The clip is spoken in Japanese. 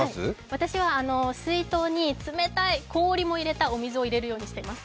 私は水筒に冷たい氷も入れた水を入れるようにしています。